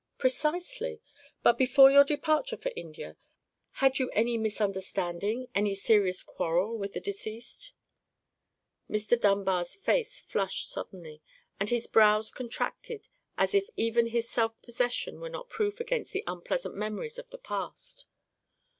"Precisely. But before your departure for India, had you any misunderstanding, any serious quarrel with the deceased?" Mr. Dunbar's face flushed suddenly, and his brows contracted as if even his self possession were not proof against the unpleasant memories of the past.